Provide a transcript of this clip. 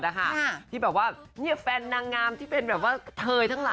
จากที่แบบเฟนที่นางงามที่เป็นเทยก่อน